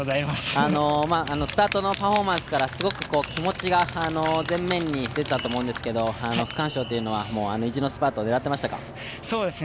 スタートのパフォーマンスからすごく気持ちが前面に出てたと思うんですけど、区間賞というのは意地のスパート狙っていましたか？